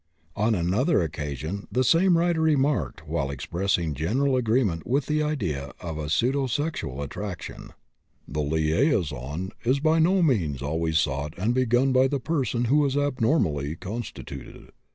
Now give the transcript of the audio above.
On another occasion the same writer remarked, while expressing general agreement with the idea of a pseudosexual attraction: "The liaison is by no means always sought and begun by the person who is abnormally constituted.